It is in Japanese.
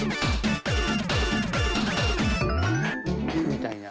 みたいな。